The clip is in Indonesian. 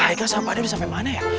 haika sama pak d udah sampe mana ya